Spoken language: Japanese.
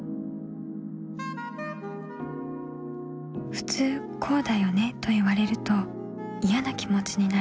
「普通、こうだよね．と言われると嫌なきもちになる」。